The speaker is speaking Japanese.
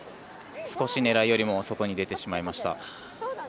少し狙いよりも外に出てしまいました。